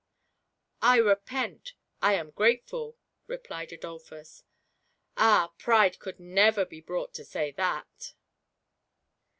"/ repent —/ am, grateful" replied Adolphus; "ah, Pride could never be brought to say that